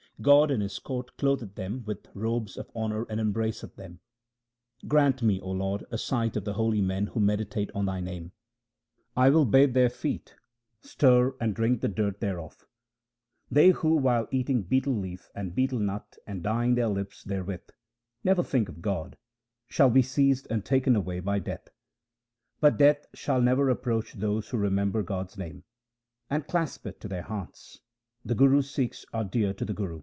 God in His court clotheth them with robes of honour and embraceth them. Grant me, O Lord, a sight of the holy men who meditate on Thy name : I will bathe their feet, stir and drink the dirt thereof. They who, while eating betel leaf and betel nut and dyeing their lips therewith, Never think of God, shall be seized and taken away by Death ; But Death shall never approach those who remember God's name, And clasp it to their hearts — the Guru's Sikhs are dear to the Guru.